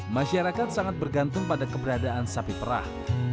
masyarakat sangat bergantung pada keberadaan sapi perah